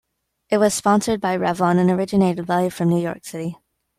It was sponsored by Revlon, and originated live from New York City.